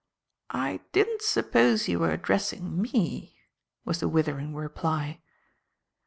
"I didn't suppose you were addressing me," was the withering reply.